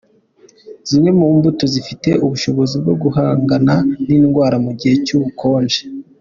Zimwe mu mbuto zifite ubushobozi bwo guhangana n’indwara mu gihe cy’ubukonje